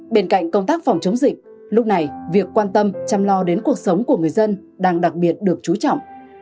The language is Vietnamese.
bên cạnh công tác phòng chống dịch lúc này việc quan tâm chăm lo đến cuộc sống của người dân đang đặc biệt được chú trọng